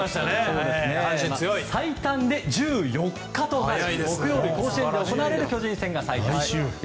最短で１４日の木曜日甲子園で行われる巨人戦が最後ということで。